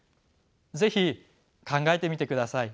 是非考えてみてください。